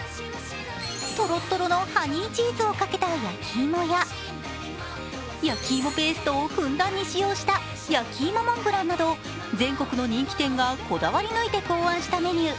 とろとろのハニーチーズをかけた焼き芋や焼き芋ペーストをふんだんに使用した焼き芋モンブランなど全国の人気店がこだわり抜いて考案したメニュー